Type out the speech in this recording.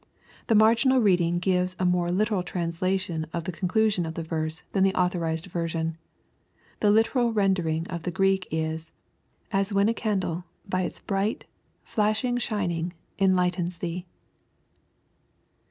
The marginal reading gives a more literal translation of the con clusion of the verse than the authorized version. The literal ren dering of the G reek is, " as when a candle, by its bright, flashing shining, enhghtena thee."